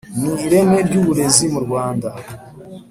n ireme ry uburezi mu Rwanda